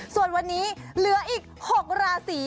ส่วนวันนี้เหลืออีก๖ราศี